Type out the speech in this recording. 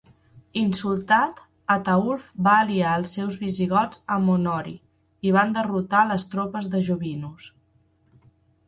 Insultat, Ataulf va aliar els seus visigots amb Honori, i van derrotar les tropes de Jovinus.